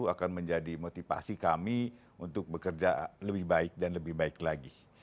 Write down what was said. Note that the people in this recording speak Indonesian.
akan menjadi motivasi kami untuk bekerja lebih baik dan lebih baik lagi